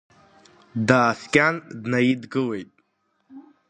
Дааскьан днаидгылеит.